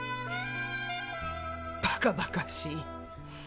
バカバカしい！